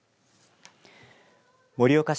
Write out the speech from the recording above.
盛岡市